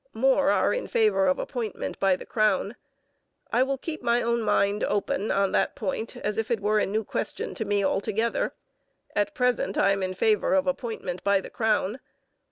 More are in favour of appointment by the crown. I will keep my own mind open on that point as if it were a new question to me altogether. At present I am in favour of appointment by the crown.